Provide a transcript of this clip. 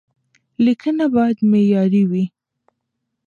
لیکنه باید معیاري وي.